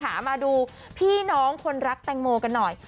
มาดูพี่น้องคนรักแตงโมกันหน่อย